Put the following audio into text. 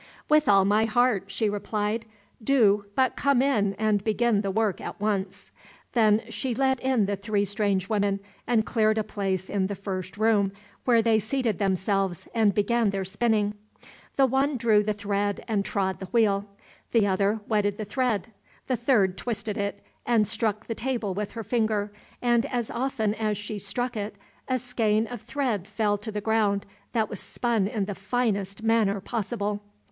"With all my heart," she replied, "do but come in and begin the work at once." Then she let in the three strange women, and cleared a place in the first room, where they seated themselves and began their spinning. The one drew the thread and trod the wheel, the other wetted the thread, the third twisted it, and struck the table with her finger, and as often as she struck it, a skein of thread fell to the ground that was spun in the finest manner possible.